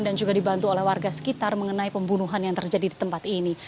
dan juga dibantu oleh warga sekitar mengenai pembunuhan yang terjadi di tempat ini